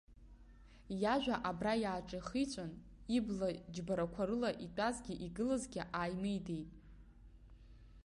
Иажәа абра иааҿахиҵәан, ибла џьбарақәа рыла итәазгьы игылазгьы ааимидеит.